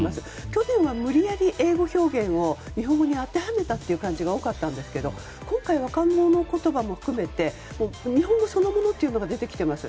去年は無理やり英語表現を日本語に当てはめた感じが多かったんですけど、今回は日本語そのものが出てきています。